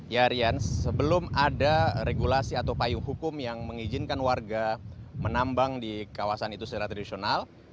ya rian sebelum ada regulasi atau payung hukum yang mengizinkan warga menambang di kawasan itu secara tradisional